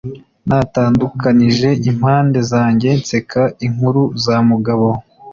Natandukanije impande zanjye nseka inkuru za Mugabo.